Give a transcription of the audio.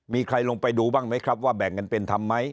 มีใครลงไปดูบ้างไหมครับว่าแบ่งกันเป็นธรรมไหม